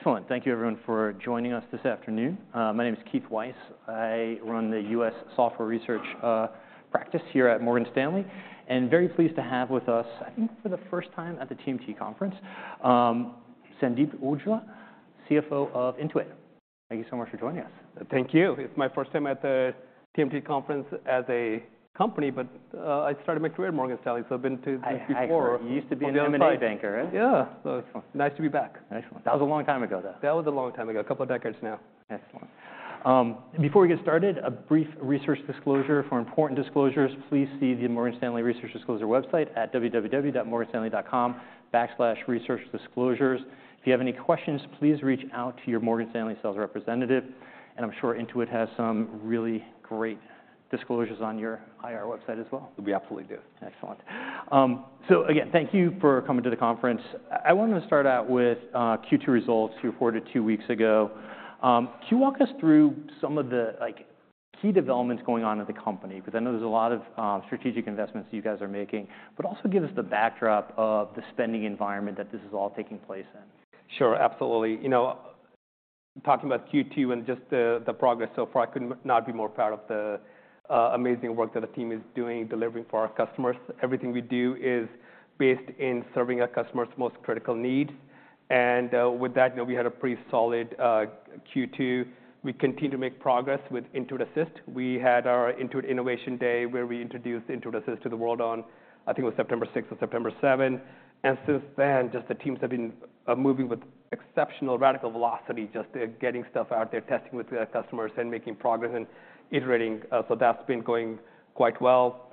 Excellent. Thank you, everyone, for joining us this afternoon. My name is Keith Weiss. I run the U.S. software research practice here at Morgan Stanley. Very pleased to have with us, I think for the first time at the TMT Conference, Sandeep Aujla, CFO of Intuit. Thank you so much for joining us. Thank you. It's my first time at the TMT Conference as a company, but I started my career at Morgan Stanley, so I've been to before. I used to be an M&A banker, right? Yeah. So nice to be back. Excellent. That was a long time ago, though. That was a long time ago. A couple of decades now. Excellent. Before we get started, a brief research disclosure. For important disclosures, please see the Morgan Stanley Research Disclosure website at www.morganstanley.com/researchdisclosures. If you have any questions, please reach out to your Morgan Stanley sales representative. I'm sure Intuit has some really great disclosures on your IR website as well. We absolutely do. Excellent. So again, thank you for coming to the conference. I wanted to start out with Q2 results you reported two weeks ago. Can you walk us through some of the, like, key developments going on at the company? Because I know there's a lot of strategic investments that you guys are making, but also give us the backdrop of the spending environment that this is all taking place in. Sure. Absolutely. You know, talking about Q2 and just the progress so far, I could not be more proud of the amazing work that the team is doing, delivering for our customers. Everything we do is based in serving our customers' most critical needs. And with that, you know, we had a pretty solid Q2. We continue to make progress with Intuit Assist. We had our Intuit Innovation Day where we introduced Intuit Assist to the world on, I think it was September 6th or September 7th. And since then, just the teams have been moving with exceptional radical velocity, just getting stuff out there, testing with the customers, and making progress and iterating. So that's been going quite well.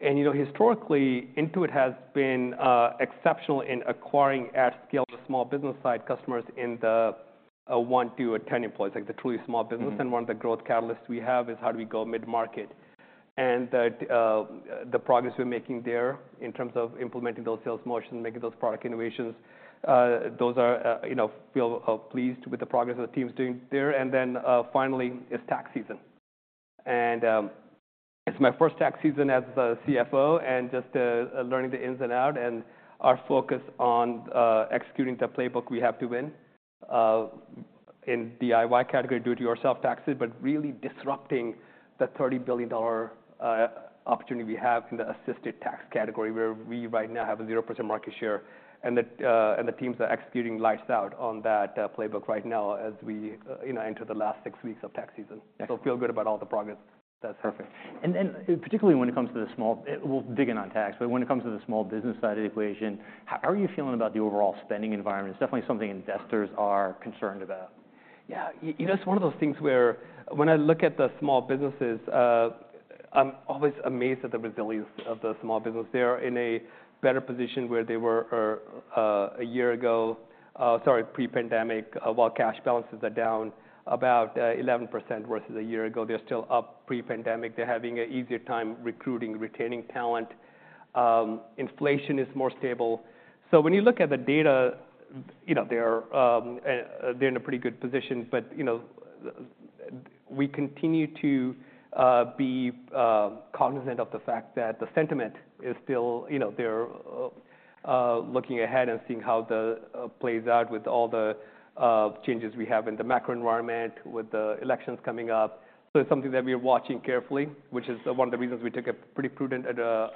And you know, historically, Intuit has been exceptional in acquiring at scale on the small business side customers in the one, two, or 10 employees, like the truly small business. One of the growth catalysts we have is how do we go mid-market. The progress we're making there in terms of implementing those sales motions, making those product innovations, those are, you know, feel pleased with the progress that the team's doing there. Then, finally, it's tax season. It's my first tax season as the CFO and just learning the ins and outs and our focus on executing the playbook we have to win in DIY category, do-it-yourself taxes, but really disrupting the $30 billion opportunity we have in the assisted tax category where we right now have a 0% market share. The teams are executing lights out on that playbook right now as we, you know, enter the last six weeks of tax season. So feel good about all the progress that's happening. Perfect. And then, particularly when it comes to the small we'll dig in on tax. But when it comes to the small business side of the equation, how are you feeling about the overall spending environment? It's definitely something investors are concerned about. Yeah. You know, it's one of those things where when I look at the small businesses, I'm always amazed at the resilience of the small business. They are in a better position where they were a year ago, sorry, pre-pandemic, while cash balances are down about 11% versus a year ago. They're still up pre-pandemic. They're having an easier time recruiting, retaining talent. Inflation is more stable. So when you look at the data, you know, they're in a pretty good position. But, you know, we continue to be cognizant of the fact that the sentiment is still, you know, they're looking ahead and seeing how the plays out with all the changes we have in the macro environment with the elections coming up. So it's something that we are watching carefully, which is one of the reasons we took a pretty prudent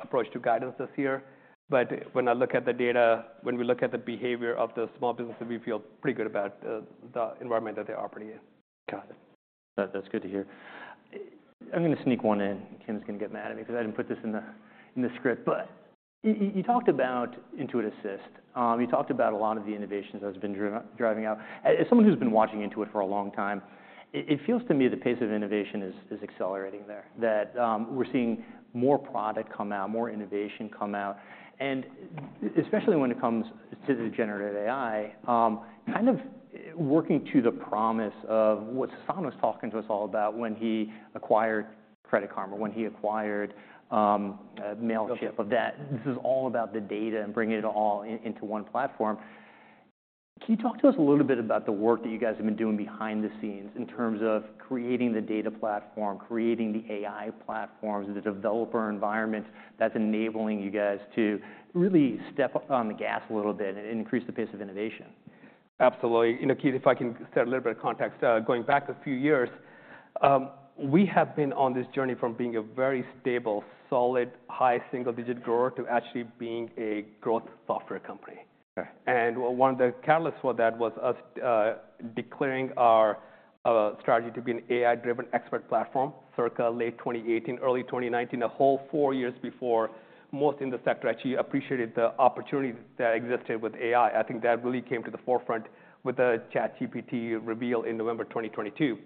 approach to guidance this year. But when I look at the data, when we look at the behavior of the small businesses, we feel pretty good about the environment that they're operating in. Got it. That's good to hear. I'm going to sneak one in. Kim's going to get mad at me because I didn't put this in the script. But you talked about Intuit Assist. You talked about a lot of the innovations that have been driving out. As someone who's been watching Intuit for a long time, it feels to me the pace of innovation is accelerating there, that we're seeing more product come out, more innovation come out. And especially when it comes to the generative AI, kind of working to the promise of what Sasan was talking to us all about when he acquired Credit Karma, when he acquired Mailchimp. Yep. Of that. This is all about the data and bringing it all into one platform. Can you talk to us a little bit about the work that you guys have been doing behind the scenes in terms of creating the data platform, creating the AI platforms, the developer environment that's enabling you guys to really step on the gas a little bit and increase the pace of innovation? Absolutely. You know, Keith, if I can set a little bit of context. Going back a few years, we have been on this journey from being a very stable, solid, high single-digit grower to actually being a growth software company. One of the catalysts for that was us declaring our strategy to be an AI-driven expert platform, circa late 2018, early 2019, a whole four years before most in the sector actually appreciated the opportunities that existed with AI. I think that really came to the forefront with the ChatGPT reveal in November 2022.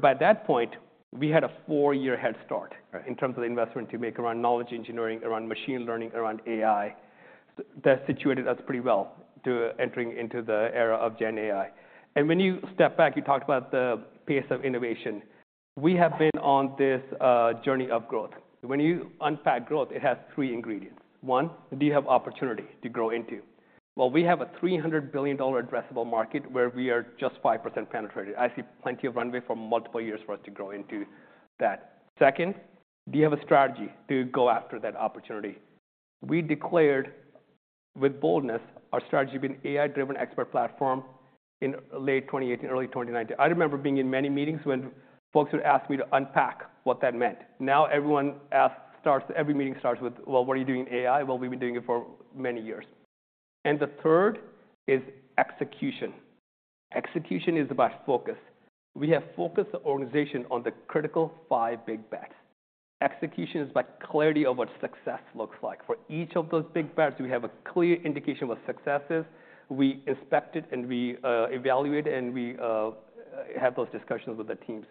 By that point, we had a four-year head start in terms of the investment to make around knowledge engineering, around machine learning, around AI. That situated us pretty well to entering into the era of Gen AI. When you step back, you talked about the pace of innovation. We have been on this journey of growth. When you unpack growth, it has three ingredients. One, do you have opportunity to grow into? Well, we have a $300 billion addressable market where we are just 5% penetrated. I see plenty of runway for multiple years for us to grow into that. Second, do you have a strategy to go after that opportunity? We declared with boldness our strategy to be an AI-driven expert platform in late 2018, early 2019. I remember being in many meetings when folks would ask me to unpack what that meant. Now every meeting starts with, "Well, what are you doing in AI?" Well, we've been doing it for many years. The third is execution. Execution is about focus. We have focused the organization on the critical five big bets. Execution is about clarity of what success looks like. For each of those big bets, we have a clear indication of what success is. We inspect it, and we evaluate, and we have those discussions with the teams.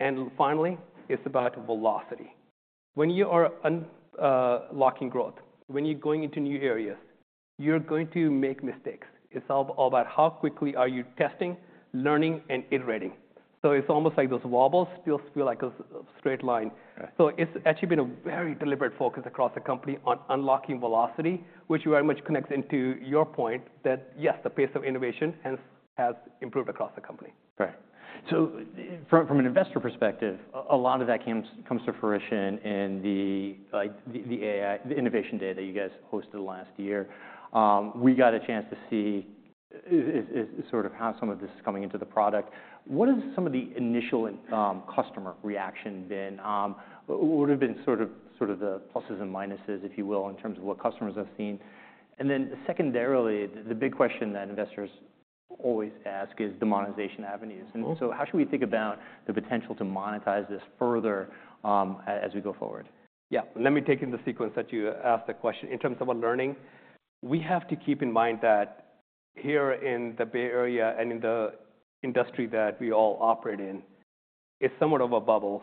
And finally, it's about velocity. When you are unlocking growth, when you're going into new areas, you're going to make mistakes. It's all about how quickly are you testing, learning, and iterating. So it's almost like those wobbles still feel like a straight line. So it's actually been a very deliberate focus across the company on unlocking velocity, which very much connects into your point that, yes, the pace of innovation hence has improved across the company. Right. So from an investor perspective, a lot of that comes to fruition in the, like, the AI innovation day that you guys hosted last year. We got a chance to see sort of how some of this is coming into the product. What has some of the initial customer reaction been? What have been sort of the pluses and minuses, if you will, in terms of what customers have seen? And then secondarily, the big question that investors always ask is monetization avenues. And so how should we think about the potential to monetize this further, as we go forward? Yeah. Let me take in the sequence that you asked the question. In terms of our learning, we have to keep in mind that here in the Bay Area and in the industry that we all operate in, it's somewhat of a bubble.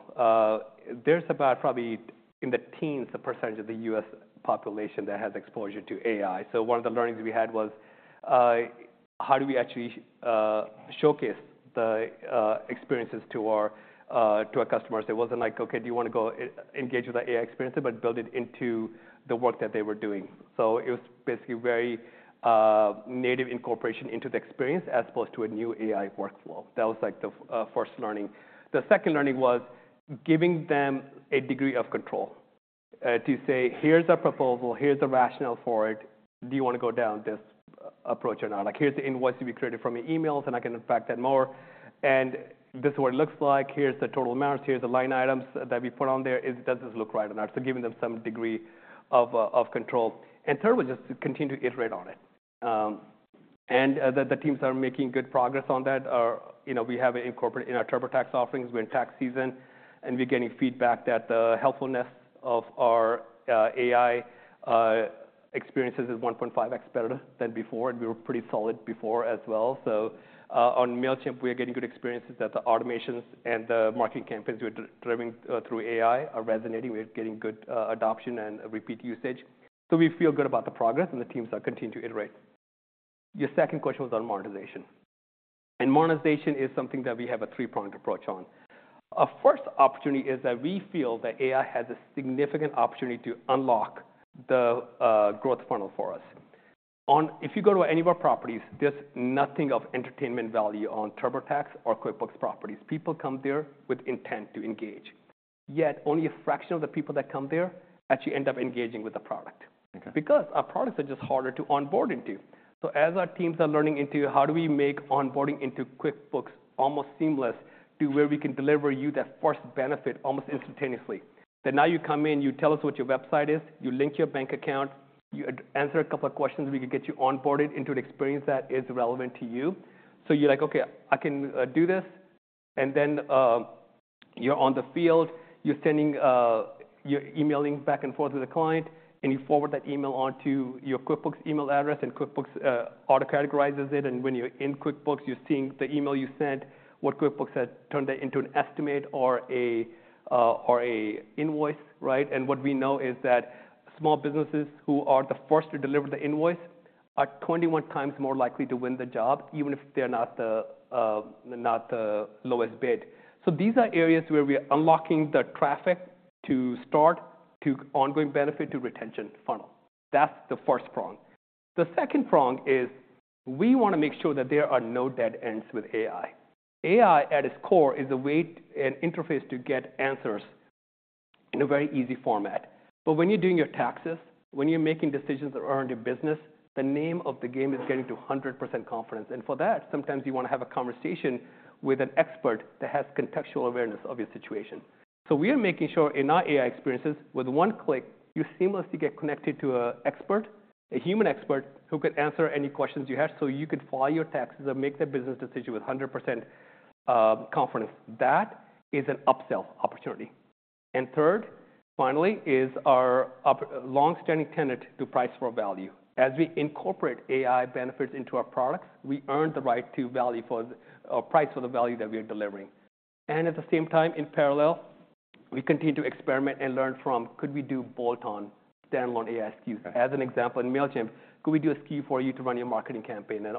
There's about probably in the teens, the percentage of the U.S. population that has exposure to AI. So one of the learnings we had was, how do we actually showcase the experiences to our, to our customers? It wasn't like, "OK, do you want to go engage with that AI experience but build it into the work that they were doing?" So it was basically very native incorporation into the experience as opposed to a new AI workflow. That was, like, the first learning. The second learning was giving them a degree of control to say, "Here's our proposal. Here's the rationale for it. Do you want to go down this approach or not?" Like, "Here's the invoice that we created from your emails. And I can unpack that more. And this is what it looks like. Here's the total amounts. Here's the line items that we put on there. Does this look right or not?" So giving them some degree of, of control. And third was just to continue to iterate on it. And, the teams are making good progress on that. You know, we have it incorporated in our TurboTax offerings. We're in tax season. And we're getting feedback that the helpfulness of our AI experiences is 1.5x better than before. And we were pretty solid before as well. So, on Mailchimp, we are getting good experiences that the automations and the marketing campaigns we're driving through AI are resonating. We're getting good adoption and repeat usage. So we feel good about the progress. And the teams are continuing to iterate. Your second question was on monetization. And monetization is something that we have a three-pronged approach on. A first opportunity is that we feel that AI has a significant opportunity to unlock the growth funnel for us. One, if you go to any of our properties, there's nothing of entertainment value on TurboTax or QuickBooks properties. People come there with intent to engage. Yet only a fraction of the people that come there actually end up engaging with the product because our products are just harder to onboard into. So as our teams are learning into how do we make onboarding into QuickBooks almost seamless to where we can deliver you that first benefit almost instantaneously, that now you come in, you tell us what your website is, you link your bank account, you answer a couple of questions, we can get you onboarded into an experience that is relevant to you. So you're like, "OK, I can do this." And then, you're on the field. You're sending, you're emailing back and forth with the client. And you forward that email on to your QuickBooks email address. And QuickBooks auto-categorizes it. And when you're in QuickBooks, you're seeing the email you sent, what QuickBooks has turned that into an estimate or a, or an invoice, right? What we know is that small businesses who are the first to deliver the invoice are 21 times more likely to win the job even if they're not the, not the lowest bid. So these are areas where we are unlocking the traffic to start, to ongoing benefit, to retention funnel. That's the first prong. The second prong is we want to make sure that there are no dead ends with AI. AI, at its core, is a way, an interface to get answers in a very easy format. But when you're doing your taxes, when you're making decisions that are on your business, the name of the game is getting to 100% confidence. For that, sometimes you want to have a conversation with an expert that has contextual awareness of your situation. So we are making sure in our AI experiences, with one click, you seamlessly get connected to an expert, a human expert who could answer any questions you have so you could file your taxes or make that business decision with 100% confidence. That is an upsell opportunity. And third, finally, is our longstanding tenet to price for value. As we incorporate AI benefits into our products, we earn the right to value for price for the value that we are delivering. And at the same time, in parallel, we continue to experiment and learn from could we do bolt-on, standalone AI SKUs. As an example, in Mailchimp, could we do a SKU for you to run your marketing campaign and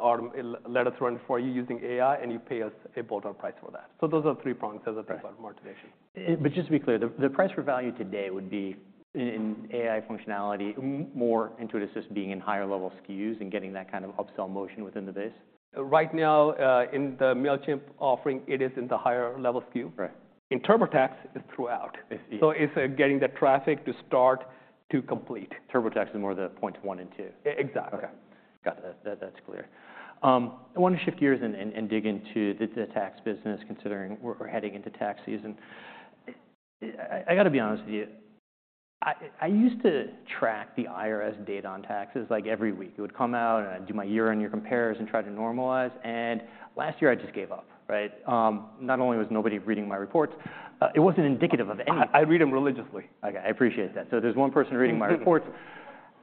let us run it for you using AI? And you pay us a bolt-on price for that. So those are the three prongs as I think about monetization. Just to be clear, the price for value today would be in AI functionality, more Intuit Assist being in higher-level SKUs and getting that kind of upsell motion within the base? Right now, in the Mailchimp offering, it is in the higher-level SKU. Right. In TurboTax, it's throughout. It's easy. It's getting the traffic to start to complete. TurboTax is more the point 1 and 2. Exactly. OK. Got it. That's clear. I want to shift gears and dig into the tax business considering we're heading into tax season. I got to be honest with you. I used to track the IRS data on taxes like every week. It would come out. And I'd do my year-on-year compares and try to normalize. And last year, I just gave up, right? Not only was nobody reading my reports. It wasn't indicative of anything. I read them religiously. OK. I appreciate that. So there's one person reading my reports.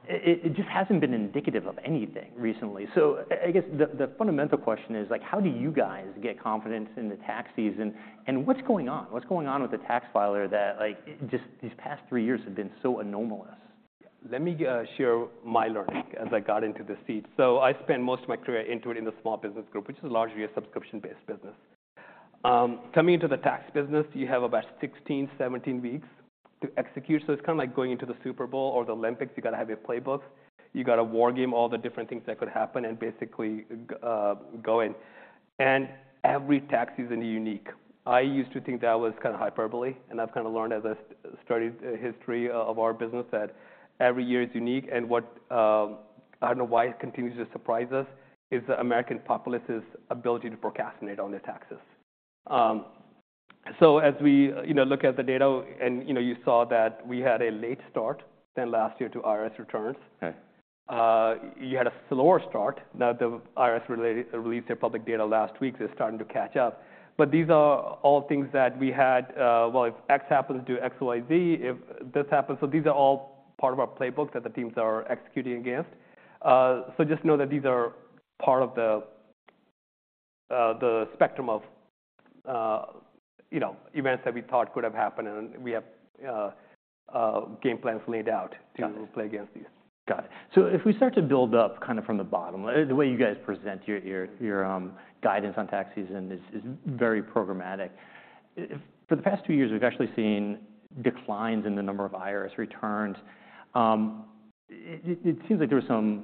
It just hasn't been indicative of anything recently. So I guess the fundamental question is, like, how do you guys get confidence in the tax season? And what's going on? What's going on with the tax filer that, like, just these past three years have been so anomalous? Let me share my learning as I got into the seat. So I spent most of my career in Intuit in the small business group, which is largely a subscription-based business. Coming into the tax business, you have about 16 to 17 weeks to execute. So it's kind of like going into the Super Bowl or the Olympics. You got to have your playbooks. You got to wargame all the different things that could happen and basically, go in. And every tax season is unique. I used to think that was kind of hyperbole. And I've kind of learned as I studied the history of our business that every year is unique. And what, I don't know why it continues to surprise us is the American populace's ability to procrastinate on their taxes. So as we, you know, look at the data, and, you know, you saw that we had a late start than last year to IRS returns. You had a slower start. Now the IRS released their public data last week. They're starting to catch up. But these are all things that we had, well, if X happens, do X, Y, Z. If this happens, so these are all part of our playbook that the teams are executing against. So just know that these are part of the spectrum of, you know, events that we thought could have happened. And we have game plans laid out to play against these. Got it. So if we start to build up kind of from the bottom, the way you guys present your guidance on tax season is very programmatic. For the past two years, we've actually seen declines in the number of IRS returns. It seems like there were some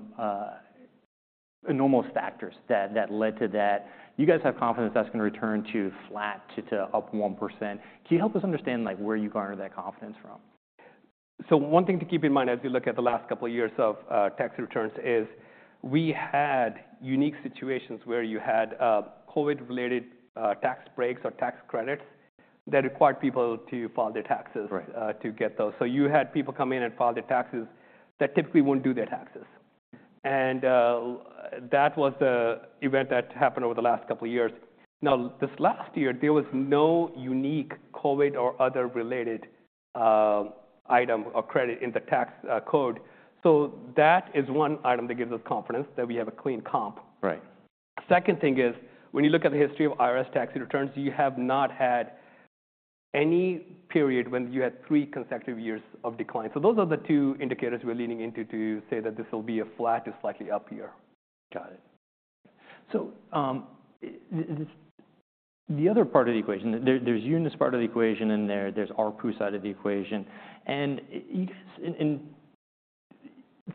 anomalous factors that led to that. You guys have confidence that's going to return to flat, to up 1%. Can you help us understand, like, where you garner that confidence from? So one thing to keep in mind as you look at the last couple of years of tax returns is we had unique situations where you had COVID-related tax breaks or tax credits that required people to file their taxes to get those. So you had people come in and file their taxes that typically wouldn't do their taxes. And that was the event that happened over the last couple of years. Now this last year, there was no unique COVID or other related item or credit in the tax code. So that is one item that gives us confidence that we have a clean comp. Right. Second thing is when you look at the history of IRS tax returns, you have not had any period when you had three consecutive years of decline. So those are the two indicators we're leaning into to say that this will be a flat to slightly up year. Got it. So, the other part of the equation, there's units part of the equation. And there's ARPU side of the equation. And you guys,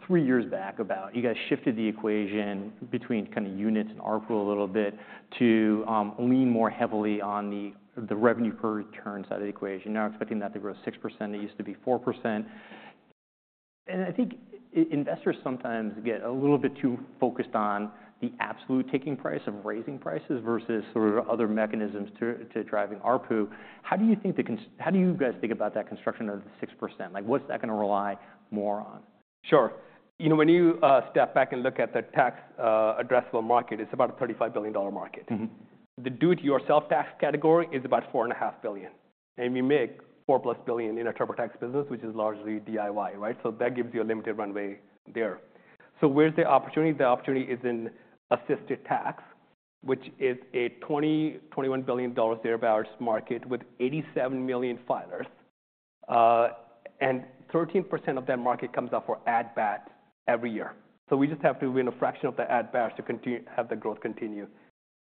about 3 years back, you guys shifted the equation between kind of units and ARPU a little bit to lean more heavily on the revenue per return side of the equation, now expecting that to grow 6%. It used to be 4%. And I think investors sometimes get a little bit too focused on the absolute taking price of raising prices versus sort of other mechanisms to driving ARPU. How do you guys think about that construction of the 6%? Like, what's that going to rely more on? Sure. You know, when you step back and look at the tax addressable market, it's about a $35 billion market. The do-it-yourself tax category is about $4.5 billion. And we make $4+ billion in our TurboTax business, which is largely DIY, right? So where's the opportunity? The opportunity is in assisted tax, which is a $20 to $21 billion thereabouts market with 87 million filers. And 13% of that market comes up for adoption every year. So we just have to win a fraction of the adoptions to have the growth continue.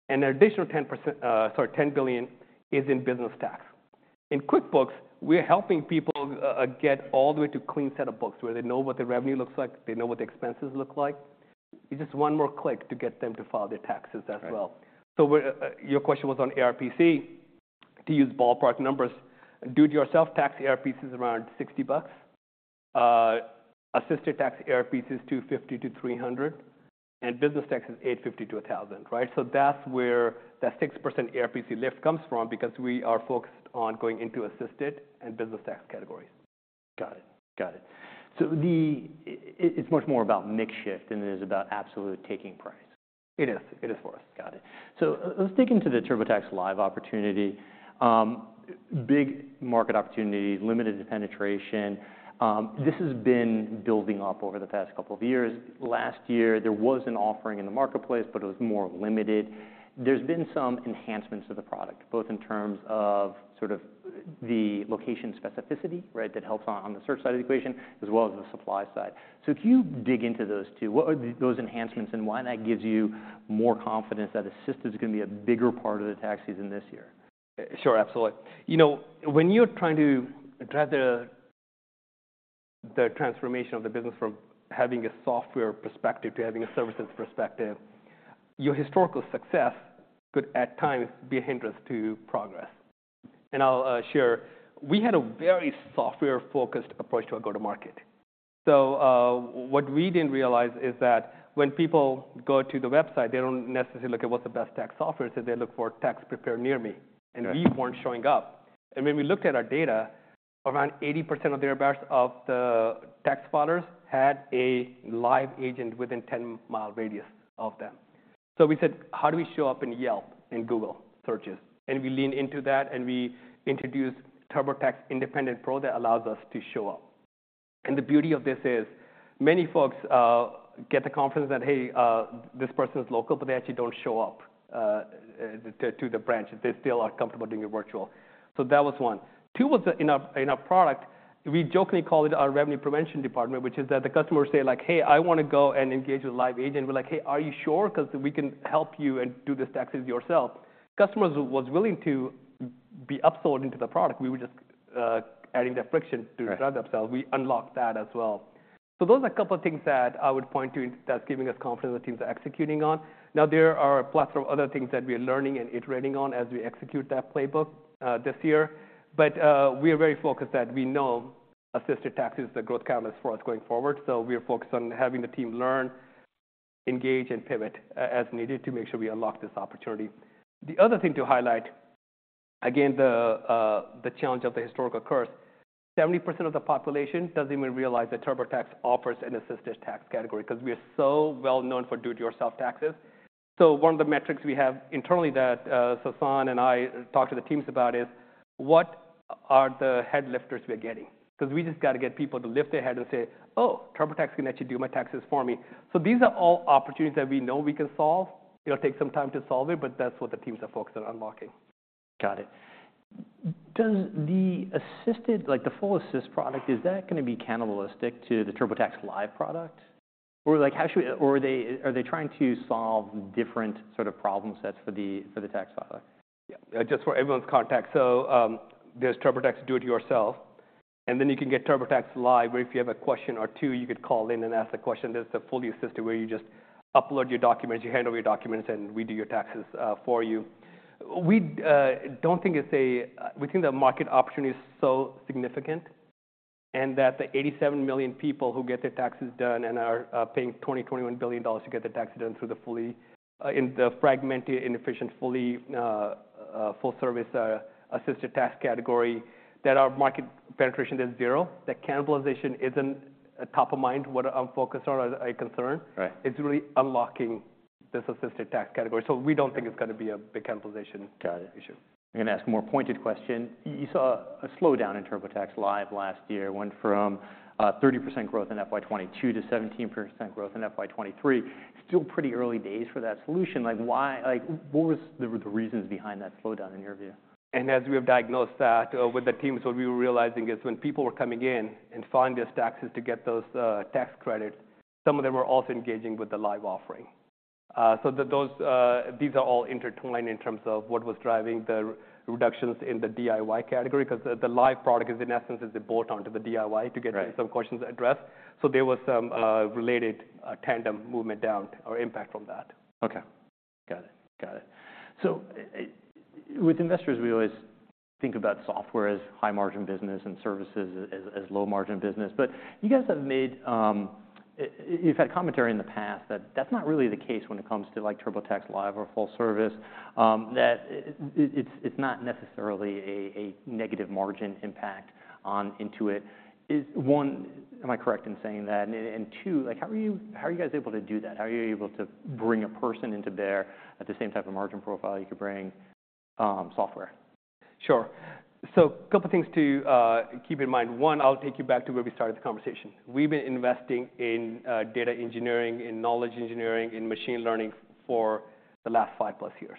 And an additional 10%, sorry, $10 billion is in business tax. In QuickBooks, we are helping people get all the way to a clean set of books where they know what their revenue looks like. They know what the expenses look like. It's just one more click to get them to file their taxes as well. So your question was on ARPC, to use ballpark numbers. Do-it-yourself tax ARPC is around $60 bucks. Assisted tax ARPC is $250 to $300. And business tax is $850 to $1,000, right? So that's where that 6% ARPC lift comes from because we are focused on going into assisted and business tax categories. Got it. Got it. So it's much more about makeshift than it is about absolute taking price. It is. It is for us. Got it. So let's dig into the TurboTax Live opportunity. Big market opportunities, limited penetration. This has been building up over the past couple of years. Last year, there was an offering in the marketplace, but it was more limited. There's been some enhancements to the product, both in terms of sort of the location specificity, right, that helps on the search side of the equation as well as the supply side. So can you dig into those two? What are those enhancements? And why that gives you more confidence that assisted is going to be a bigger part of the tax season this year? Sure. Absolutely. You know, when you're trying to address the transformation of the business from having a software perspective to having a services perspective, your historical success could at times be a hindrance to progress. And I'll share. We had a very software-focused approach to our go-to-market. So what we didn't realize is that when people go to the website, they don't necessarily look at what's the best tax software. So they look for tax preparer near me. And we weren't showing up. And when we looked at our data, around 80% or thereabouts of the tax filers had a live agent within 10-mile radius of them. So we said, how do we show up in Yelp and Google searches? And we leaned into that. And we introduced TurboTax Independent Pro that allows us to show up. The beauty of this is many folks get the confidence that, hey, this person is local. But they actually don't show up to the branch. They still are comfortable doing it virtual. So that was one. Two was in our product. We jokingly called it our revenue prevention department, which is that the customers say, like, hey, I want to go and engage with a live agent. We're like, hey, are you sure? Because we can help you and do this taxes yourself. Customers were willing to be upsold into the product. We were just adding that friction to drive themselves. We unlocked that as well. So those are a couple of things that I would point to that's giving us confidence in the teams are executing on. Now there are a plethora of other things that we are learning and iterating on as we execute that playbook this year. But we are very focused that we know assisted taxes is the growth catalyst for us going forward. So we are focused on having the team learn, engage, and pivot as needed to make sure we unlock this opportunity. The other thing to highlight, again, the challenge of the historical curse, 70% of the population doesn't even realize that TurboTax offers an assisted tax category because we are so well known for do-it-yourself taxes. So one of the metrics we have internally that Sasan and I talk to the teams about is what are the headlifters we are getting? Because we just got to get people to lift their head and say, oh, TurboTax can actually do my taxes for me. These are all opportunities that we know we can solve. It'll take some time to solve it. That's what the teams are focused on unlocking. Got it. Does the assisted, like, the full assist product, is that going to be cannibalistic to the TurboTax Live product? Or, like, how should we or are they trying to solve different sort of problem sets for the tax filer? Yeah. Just for everyone's context, so there's TurboTax do-it-yourself. And then you can get TurboTax Live, where if you have a question or two, you could call in and ask the question. There's the fully assisted where you just upload your documents. You hand over your documents. And we do your taxes for you. We don't think it's we think the market opportunity is so significant and that the 87 million people who get their taxes done and are paying $20 billion to $21 billion to get their taxes done through the fully, in the fragmented, inefficient, fully full-service assisted tax category, that our market penetration, there's zero. That cannibalization isn't top of mind, what I'm focused on or a concern. It's really unlocking this assisted tax category. So we don't think it's going to be a big cannibalization issue. Got it. I'm going to ask a more pointed question. You saw a slowdown in TurboTax Live last year, went from 30% growth in FY22 to 17% growth in FY23. Still pretty early days for that solution. Like, why? Like, what were the reasons behind that slowdown in your view? As we have diagnosed that with the teams, what we were realizing is when people were coming in and filing their taxes to get those tax credits, some of them were also engaging with the live offering. So those, these are all intertwined in terms of what was driving the reductions in the DIY category because the live product, in essence, is a bolt onto the DIY to get some questions addressed. So there was some related tandem movement down or impact from that. OK. Got it. Got it. So with investors, we always think about software as high-margin business and services as low-margin business. But you guys have had commentary in the past that that's not really the case when it comes to, like, TurboTax Live or full service, that it's not necessarily a negative margin impact on Intuit. One, am I correct in saying that? And two, like, how are you guys able to do that? How are you able to bring a person to bear at the same type of margin profile you could bring software? Sure. So a couple of things to keep in mind. One, I'll take you back to where we started the conversation. We've been investing in data engineering, in knowledge engineering, in machine learning for the last 5+ years.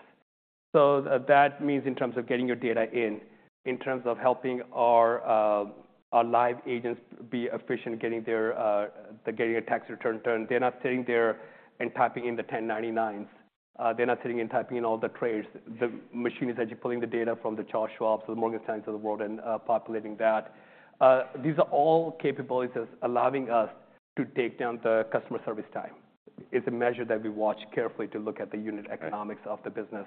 So that means in terms of getting your data in, in terms of helping our live agents be efficient getting their tax return done, they're not sitting there and typing in the 1099s. They're not sitting and typing in all the trades. The machine is actually pulling the data from the Charles Schwabs or the Morgan Stanleys of the world and populating that. These are all capabilities that are allowing us to take down the customer service time. It's a measure that we watch carefully to look at the unit economics of the business.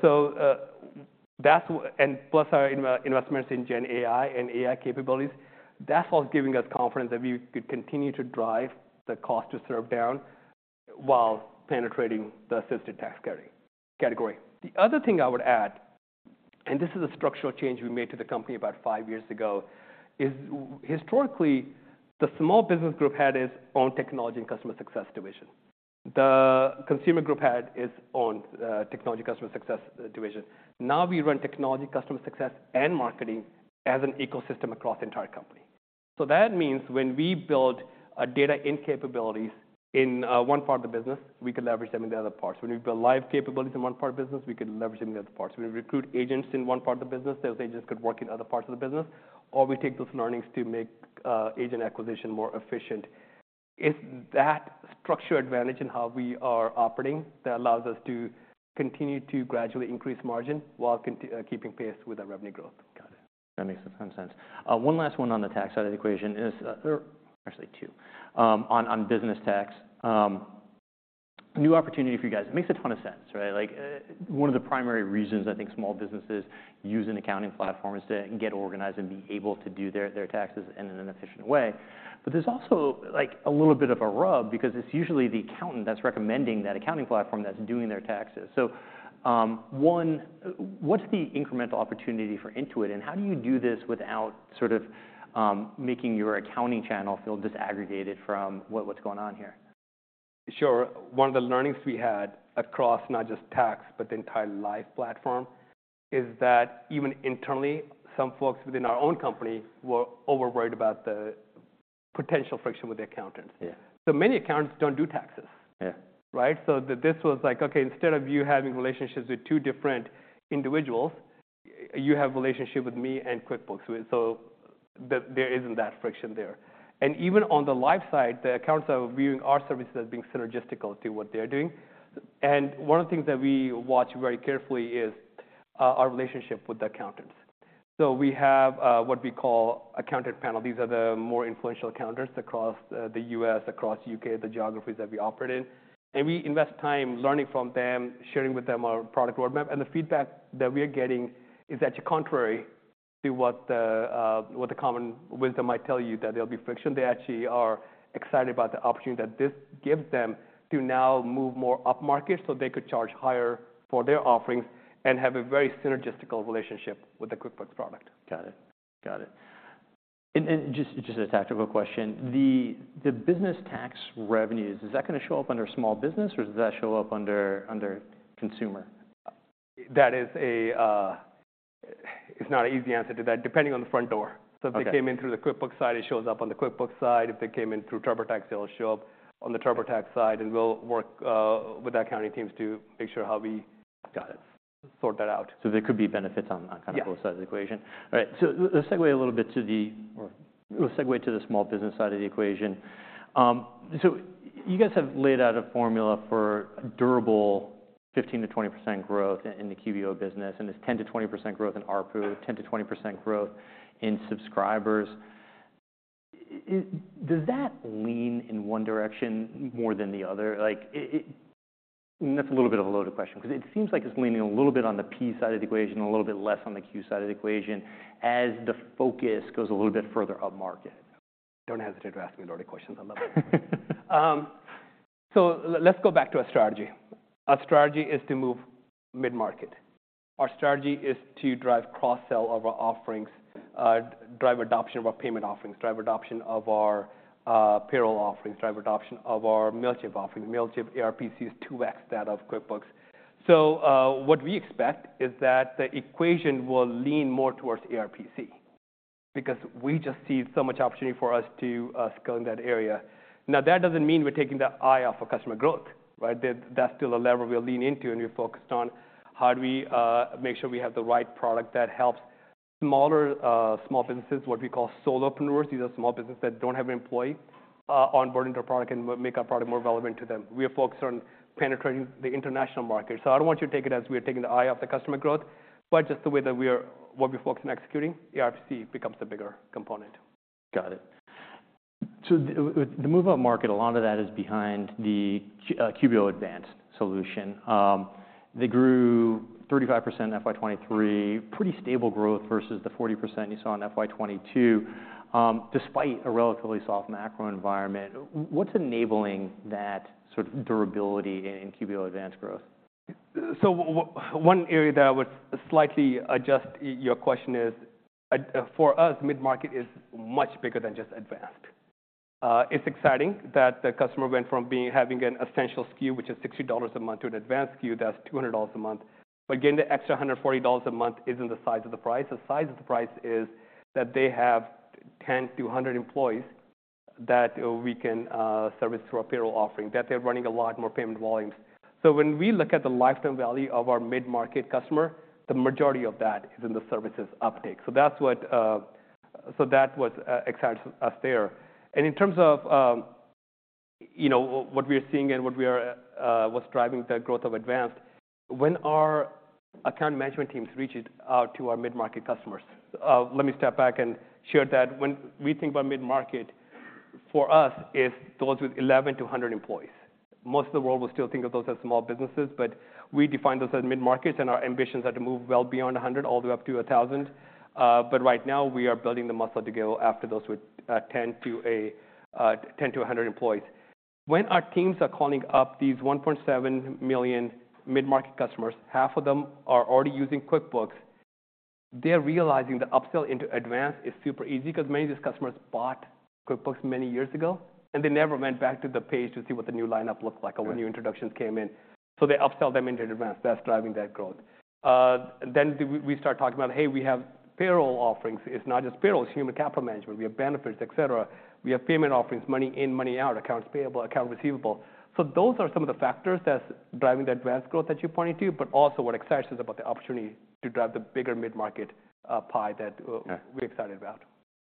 So that's plus our investments in Gen AI and AI capabilities, that's what's giving us confidence that we could continue to drive the cost to serve down while penetrating the assisted tax category. The other thing I would add, and this is a structural change we made to the company about five years ago, is historically, the small business group head is on Technology and Customer Success Division. The consumer group head is on Technology and Customer Success Division. Now we run Technology, Customer Success, and Marketing as an ecosystem across the entire company. So that means when we build data and capabilities in one part of the business, we could leverage them in the other parts. When we build live capabilities in one part of the business, we could leverage them in the other parts. When we recruit agents in one part of the business, those agents could work in other parts of the business. Or we take those learnings to make agent acquisition more efficient. It's that structural advantage in how we are operating that allows us to continue to gradually increase margin while keeping pace with our revenue growth. Got it. That makes a ton of sense. One last one on the tax side of the equation is actually two, on business tax. New opportunity for you guys. It makes a ton of sense, right? Like, one of the primary reasons, I think, small businesses use an accounting platform is to get organized and be able to do their taxes in an efficient way. But there's also, like, a little bit of a rub because it's usually the accountant that's recommending that accounting platform that's doing their taxes. So one, what's the incremental opportunity for Intuit? And how do you do this without sort of making your accounting channel feel disaggregated from what's going on here? Sure. One of the learnings we had across not just tax but the entire live platform is that even internally, some folks within our own company were over-worried about the potential friction with the accountants. So many accountants don't do taxes, right? So this was like, OK, instead of you having relationships with two different individuals, you have a relationship with me and QuickBooks. So there isn't that friction there. And even on the live side, the accountants are viewing our services as being synergistical to what they are doing. And one of the things that we watch very carefully is our relationship with the accountants. So we have what we call an accountant panel. These are the more influential accountants across the U.S., across the U.K., the geographies that we operate in. And we invest time learning from them, sharing with them our product roadmap. The feedback that we are getting is actually contrary to what the common wisdom might tell you, that there'll be friction. They actually are excited about the opportunity that this gives them to now move more up market so they could charge higher for their offerings and have a very synergistical relationship with the QuickBooks product. Got it. Got it. Just a tactical question. The business tax revenues, is that going to show up under small business? Or does that show up under consumer? That is, it's not an easy answer to that, depending on the front door. So if they came in through the QuickBooks side, it shows up on the QuickBooks side. If they came in through TurboTax, it'll show up on the TurboTax side. And we'll work with the accounting teams to make sure how we sort that out. So there could be benefits on kind of both sides of the equation. All right. So let's segue a little bit to the small business side of the equation. So you guys have laid out a formula for durable 15% to 20% growth in the QBO business. And there's 10% to 20% growth in ARPU, 10% to 20% growth in subscribers. Does that lean in one direction more than the other? Like, that's a little bit of a loaded question because it seems like it's leaning a little bit on the P side of the equation, a little bit less on the Q side of the equation as the focus goes a little bit further up market. Don't hesitate to ask me loaded questions. I love it. So let's go back to our strategy. Our strategy is to move mid-market. Our strategy is to drive cross-sell of our offerings, drive adoption of our payment offerings, drive adoption of our payroll offerings, drive adoption of our Mailchimp offerings. Mailchimp, ARPC is 2x that of QuickBooks. So what we expect is that the equation will lean more towards ARPC because we just see so much opportunity for us to scale in that area. Now, that doesn't mean we're taking the eye off of customer growth, right? That's still a lever we'll lean into. And we're focused on how do we make sure we have the right product that helps smaller businesses, what we call solopreneurs. These are small businesses that don't have an employee onboard into our product and make our product more relevant to them. We are focused on penetrating the international market. So I don't want you to take it as we are taking the eye off the customer growth. But just the way that we are what we're focused on executing, ARPC becomes a bigger component. Got it. So with the move upmarket, a lot of that is behind the QBO Advanced solution. They grew 35% in FY 2023, pretty stable growth versus the 40% you saw in FY 2022, despite a relatively soft macro environment. What's enabling that sort of durability in QBO Advanced growth? So one area that I would slightly adjust your question is, for us, mid-market is much bigger than just Advanced. It's exciting that the customer went from having an Essentials SKU, which is $60 a month, to an Advanced SKU that's $200 a month. But getting the extra $140 a month isn't the size of the price. The size of the price is that they have 10 to 100 employees that we can service through our payroll offering, that they're running a lot more payment volumes. So when we look at the lifetime value of our mid-market customer, the majority of that is in the services uptake. So that's what so that was exciting us there. In terms of what we are seeing and what we are what's driving the growth of Advanced, when our account management teams reach out to our mid-market customers, let me step back and share that. When we think about mid-market, for us, it's those with 11 to 100 employees. Most of the world will still think of those as small businesses. But we define those as mid-markets. And our ambitions are to move well beyond 100, all the way up to 1,000. But right now, we are building the muscle to go after those with 10 to 100 employees. When our teams are calling up these 1.7 million mid-market customers, half of them are already using QuickBooks. They're realizing the upsell into Advanced is super easy because many of these customers bought QuickBooks many years ago. They never went back to the page to see what the new lineup looked like or when new introductions came in. So they upsell them into Advanced. That's driving that growth. Then we start talking about, hey, we have payroll offerings. It's not just payroll, it's human capital management. We have benefits, et cetera. We have payment offerings, money in, money out, accounts payable, account receivable. So those are some of the factors that's driving the Advanced growth that you pointed to, but also what excites us about the opportunity to drive the bigger mid-market pie that we're excited about.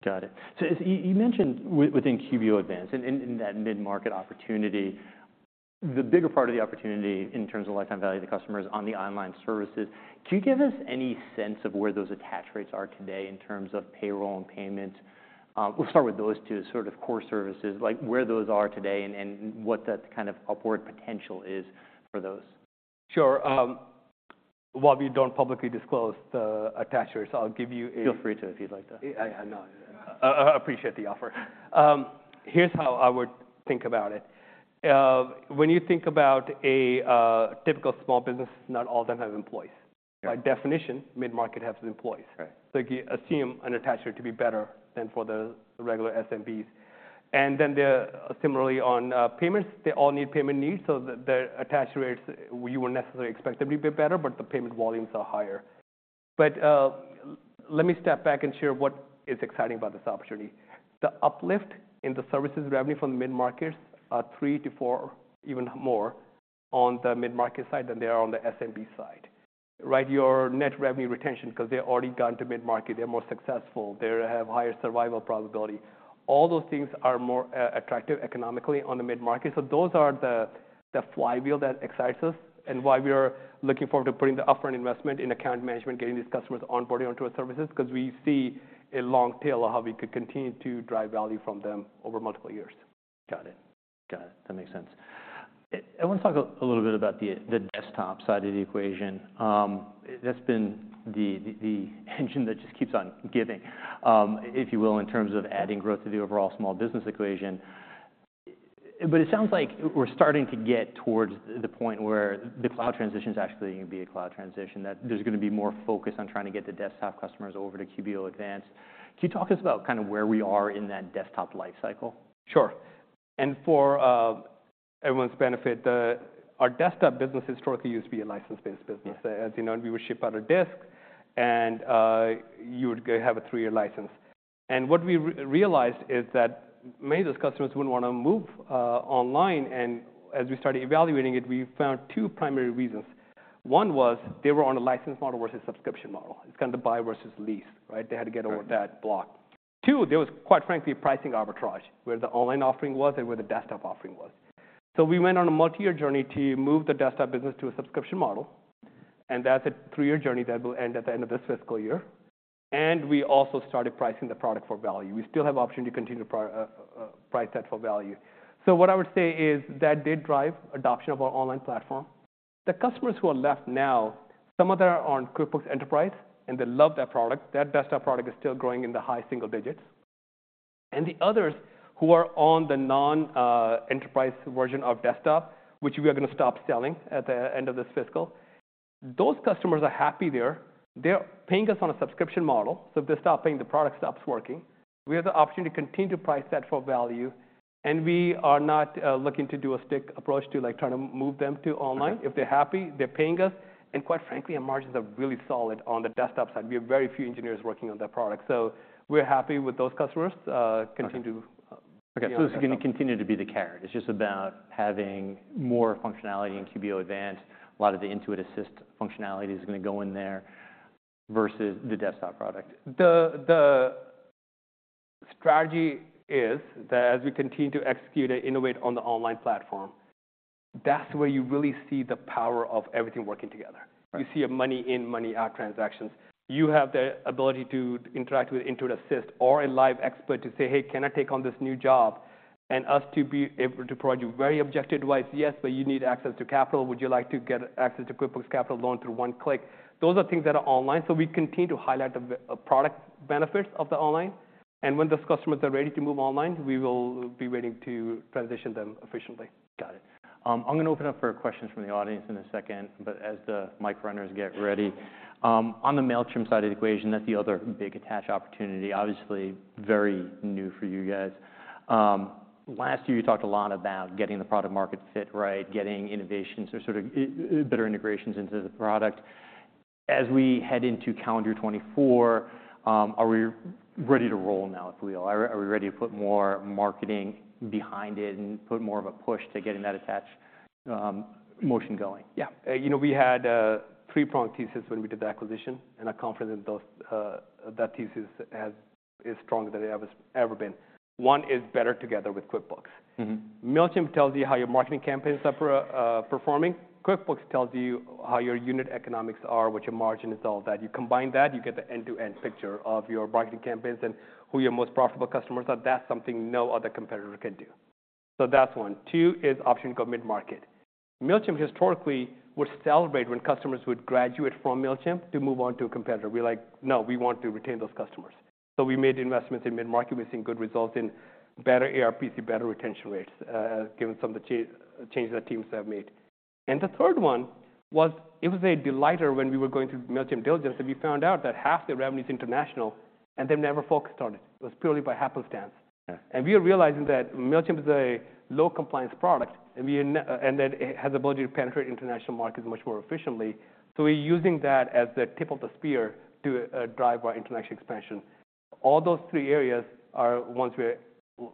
Got it. So you mentioned within QBO Advanced and that mid-market opportunity, the bigger part of the opportunity in terms of lifetime value of the customer is on the online services. Can you give us any sense of where those attach rates are today in terms of payroll and payment? We'll start with those two sort of core services, like where those are today and what that kind of upward potential is for those. Sure. While we don't publicly disclose the attach rates, I'll give you a. Feel free to, if you'd like to. I know. I appreciate the offer. Here's how I would think about it. When you think about a typical small business, not all of them have employees. By definition, mid-market has employees. So you assume an attach rate to be better than for the regular SMBs. And then similarly, on payments, they all need payment needs. So their attach rates, you wouldn't necessarily expect them to be better. But the payment volumes are higher. But let me step back and share what is exciting about this opportunity. The uplift in the services revenue from the mid-markets are 3 to 4, even more, on the mid-market side than they are on the SMB side, right? Your net revenue retention because they've already gone to mid-market. They're more successful. They have higher survival probability. All those things are more attractive economically on the mid-market. Those are the flywheels that excite us and why we are looking forward to putting the upfront investment in account management, getting these customers onboarded onto our services because we see a long tail of how we could continue to drive value from them over multiple years. Got it. Got it. That makes sense. I want to talk a little bit about the desktop side of the equation. That's been the engine that just keeps on giving, if you will, in terms of adding growth to the overall small business equation. But it sounds like we're starting to get towards the point where the cloud transition is actually going to be a cloud transition, that there's going to be more focus on trying to get the desktop customers over to QBO Advanced. Can you talk to us about kind of where we are in that desktop lifecycle? Sure. And for everyone's benefit, our desktop business historically used to be a license-based business. As you know, we would ship out a disk. And you would have a 3-year license. And what we realized is that many of those customers wouldn't want to move online. And as we started evaluating it, we found two primary reasons. One was they were on a license model versus subscription model. It's kind of the buy versus lease, right? They had to get over that block. Two, there was, quite frankly, a pricing arbitrage where the online offering was and where the desktop offering was. So we went on a multi-year journey to move the desktop business to a subscription model. And that's a 3-year journey that will end at the end of this fiscal year. And we also started pricing the product for value. We still have the opportunity to continue to price that for value. So what I would say is that did drive adoption of our online platform. The customers who are left now, some of them are on QuickBooks Enterprise. They love that product. That desktop product is still growing in the high single digits. The others who are on the non-enterprise version of desktop, which we are going to stop selling at the end of this fiscal, those customers are happy there. They're paying us on a subscription model. So if they stop paying, the product stops working. We have the opportunity to continue to price that for value. We are not looking to do a stick approach to trying to move them to online. If they're happy, they're paying us. Quite frankly, our margins are really solid on the desktop side. We have very few engineers working on that product. So we're happy with those customers continuing to. OK. So this is going to continue to be the carrot. It's just about having more functionality in QBO Advanced. A lot of the Intuit Assist functionality is going to go in there versus the desktop product. The strategy is that as we continue to execute and innovate on the online platform, that's where you really see the power of everything working together. You see a money in, money out transactions. You have the ability to interact with Intuit Assist or a live expert to say, hey, can I take on this new job? And us to be able to provide you very objective advice, yes, but you need access to capital. Would you like to get access to QuickBooks Capital loan through one click? Those are things that are online. So we continue to highlight the product benefits of the online. And when those customers are ready to move online, we will be waiting to transition them efficiently. Got it. I'm going to open up for questions from the audience in a second. But as the mic runners get ready, on the Mailchimp side of the equation, that's the other big attach opportunity, obviously very new for you guys. Last year, you talked a lot about getting the product market fit right, getting innovations or sort of better integrations into the product. As we head into calendar 2024, are we ready to roll now, if we will? Are we ready to put more marketing behind it and put more of a push to getting that attach motion going? Yeah. You know, we had three pronged thesis when we did the acquisition and a confidence in those. That thesis is stronger than it has ever been. One is better together with QuickBooks. Mailchimp tells you how your marketing campaigns are performing. QuickBooks tells you how your unit economics are, what your margin is, all that. You combine that. You get the end-to-end picture of your marketing campaigns and who your most profitable customers are. That's something no other competitor can do. So that's one. Two is optioning to go mid-market. Mailchimp, historically, would celebrate when customers would graduate from Mailchimp to move on to a competitor. We're like, no, we want to retain those customers. So we made investments in mid-market. We've seen good results in better ARPC, better retention rates, given some of the changes that teams have made. And the third one was, it was a delight when we were going through Mailchimp diligence. We found out that half the revenue is international. They've never focused on it. It was purely by happenstance. We are realizing that Mailchimp is a low-compliance product. And it has the ability to penetrate international markets much more efficiently. So we're using that as the tip of the spear to drive our international expansion. All those three areas are ones we're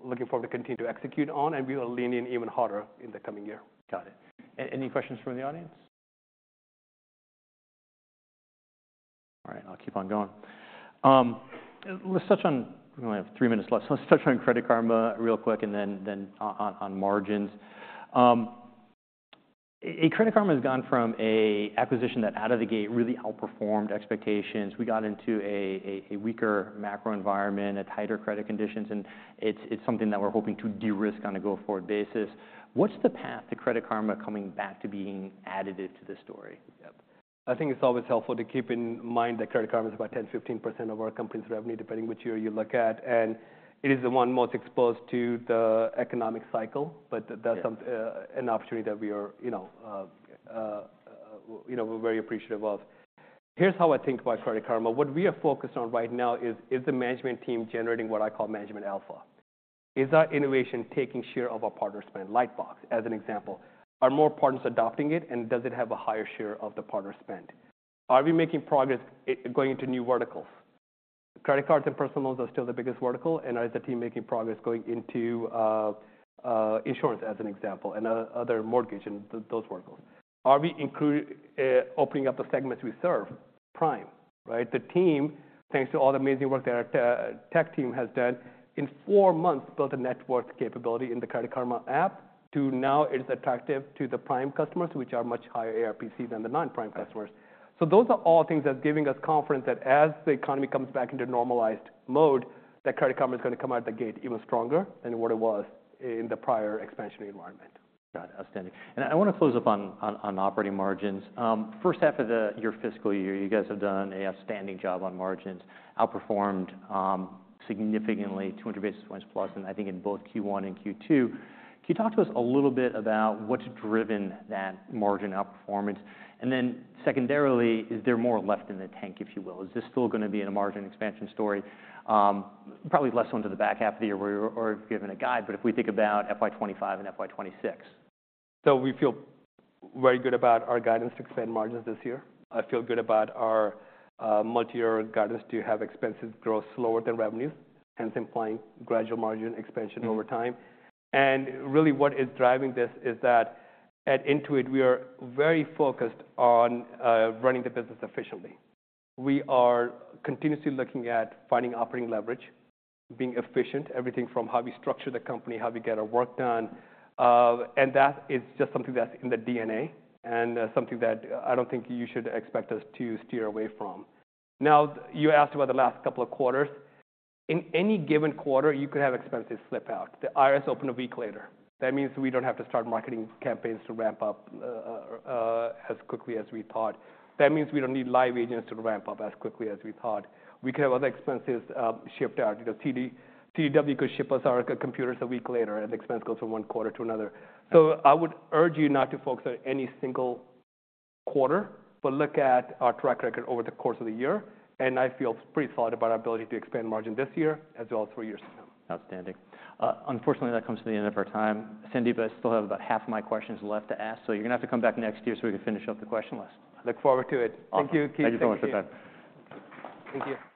looking forward to continuing to execute on. We will lean in even harder in the coming year. Got it. Any questions from the audience? All right. I'll keep on going. Let's touch on—we only have three minutes left. So let's touch on Credit Karma real quick and then on margins. Credit Karma has gone from an acquisition that, out of the gate, really outperformed expectations. We got into a weaker macro environment, tighter credit conditions. And it's something that we're hoping to de-risk on a go-forward basis. What's the path to Credit Karma coming back to being additive to this story? I think it's always helpful to keep in mind that Credit Karma is about 10%, 15% of our company's revenue, depending which year you look at. And it is the one most exposed to the economic cycle. But that's an opportunity that we are very appreciative of. Here's how I think about Credit Karma. What we are focused on right now is, is the management team generating what I call management alpha? Is our innovation taking share of our partner spend? Lightbox, as an example. Are more partners adopting it? And does it have a higher share of the partner spend? Are we making progress going into new verticals? Credit cards and personal loans are still the biggest vertical. And is the team making progress going into insurance, as an example, and other mortgage and those verticals? Are we opening up the segments we serve? Prime, right? The team, thanks to all the amazing work that our tech team has done, in four months built a network capability in the Credit Karma app to now it is attractive to the Prime customers, which are much higher ARPC than the non-Prime customers. So those are all things that's giving us confidence that as the economy comes back into normalized mode, that Credit Karma is going to come out of the gate even stronger than what it was in the prior expansionary environment. Got it. Outstanding. I want to close up on operating margins. First half of your fiscal year, you guys have done an outstanding job on margins, outperformed significantly 200 basis points plus, I think, in both Q1 and Q2. Can you talk to us a little bit about what's driven that margin outperformance? And then secondarily, is there more left in the tank, if you will? Is this still going to be a margin expansion story, probably less onto the back half of the year or if given a guide? But if we think about FY25 and FY26. So we feel very good about our guidance to expand margins this year. I feel good about our multi-year guidance to have expenses grow slower than revenues, hence implying gradual margin expansion over time. And really, what is driving this is that at Intuit, we are very focused on running the business efficiently. We are continuously looking at finding operating leverage, being efficient, everything from how we structure the company, how we get our work done. And that is just something that's in the DNA and something that I don't think you should expect us to steer away from. Now, you asked about the last couple of quarters. In any given quarter, you could have expenses slip out. The IRS opened a week later. That means we don't have to start marketing campaigns to ramp up as quickly as we thought. That means we don't need live agents to ramp up as quickly as we thought. We could have other expenses shipped out. CDW could ship us our computers a week later. The expense goes from one quarter to another. I would urge you not to focus on any single quarter, but look at our track record over the course of the year. I feel pretty solid about our ability to expand margin this year as well as three years from now. Outstanding. Unfortunately, that comes to the end of our time. Sandeep, I still have about half of my questions left to ask. So you're going to have to come back next year so we can finish up the question list. I look forward to it. Thank you, Keith. Thank you so much for time. Thank you.